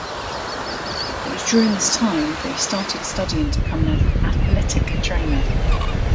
It was during this time that he started studying to become an athletic trainer.